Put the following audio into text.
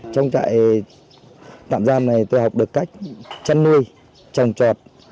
trong trại tạm giam này tôi học được cách chăn nuôi trồng trọt